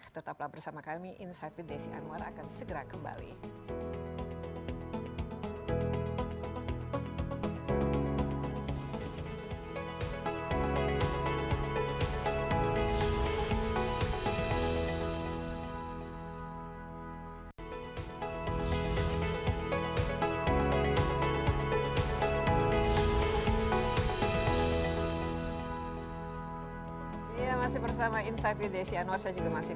tetaplah bersama kami insight with desi anwar akan segera kembali